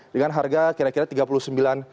dengan harga kira kira tiga puluh sembilan juta